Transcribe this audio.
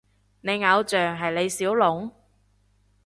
你偶像係李小龍？